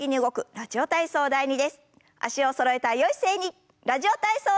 「ラジオ体操第２」。